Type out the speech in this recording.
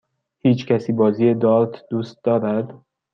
هیچکسی بازی دارت دوست دارد؟